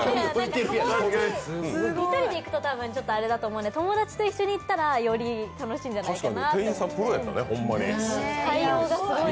１人で行くとちょっとアレだと思うんで友達と一緒に行ったら、より楽しいんじゃないかなと。